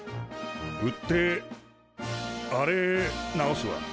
売ってあれ直すわ。